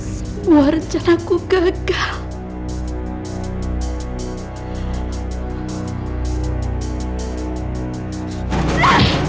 semua rencana ku gagal